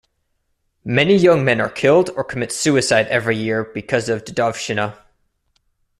Many young men are killed or commit suicide every year because of "dedovshchina".